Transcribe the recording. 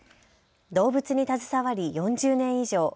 動物に携わり４０年以上。